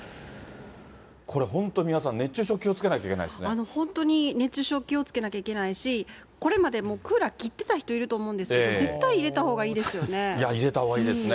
これ、本当、皆さん、熱中症、本当に熱中症気をつけなきゃいけないし、これまでもクーラー切ってた人いると思うんですけど、絶対入れたいや、入れたほうがいいですね。